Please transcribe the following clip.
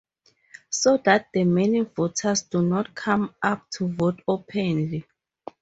So that the many voters do not come up to vote openly.